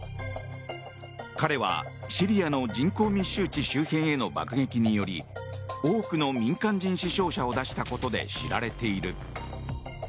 彼は、シリアの人口密集地周辺への爆撃により多くの民間人死傷者を出したことで知られている。